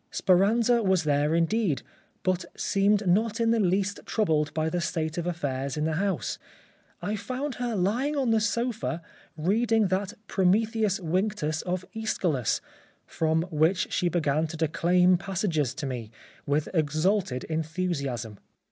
Speranza was there indeed, but seemed not in the least troubled by the state of affairs in the house. I found her lying on the sofa reading the Prometheus Vinctus of iEschylus, from which she began to declaim passages to me, with exalted enthusiasm.